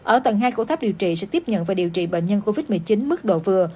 ở tầng hai của tháp điều trị sẽ tiếp nhận và điều trị bệnh nhân covid một mươi chín mức độ vừa